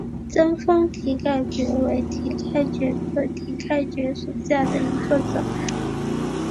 贞丰蹄盖蕨为蹄盖蕨科蹄盖蕨属下的一个种。